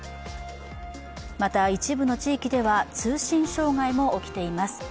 また、一部の地域では通信障害も起きています。